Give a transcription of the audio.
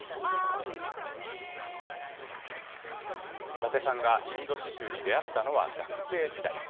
伊達さんがインド刺しゅうに出会ったのは学生時代。